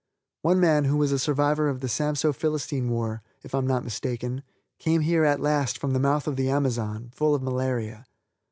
One man who was a survivor of the Samso Philistine war, if I am not mistaken, came here at last from the mouth of the Amazon, full of malaria.